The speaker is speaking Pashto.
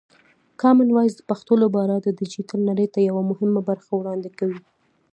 کامن وایس د پښتو لپاره د ډیجیټل نړۍ ته یوه مهمه برخه وړاندې کوي.